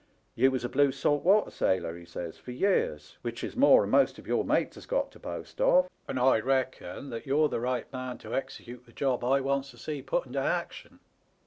You was a blue salt water sailor,' he says, 'for years, which is more'n most of your mates has got to boast of, and I reckon that you're the right man to execute the job I wants to see put into haction.